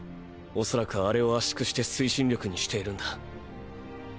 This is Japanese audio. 恐らくアレを圧縮して推進力にしているんだ。